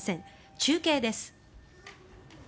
中継です。